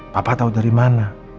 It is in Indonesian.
papa tau dari mana